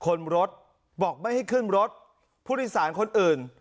คนรถบอกไม่ให้ขึ้นรถผู้โดยสารคนอื่น